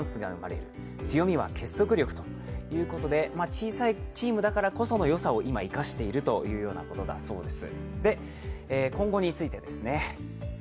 小さいチームだからこその良さを今生かしているということだそうです。